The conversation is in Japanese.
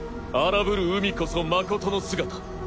荒ぶる海こそまことの姿。